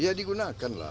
iya digunakan lah